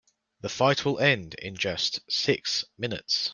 The fight will end in just six minutes.